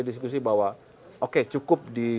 diskusi bahwa oke cukup di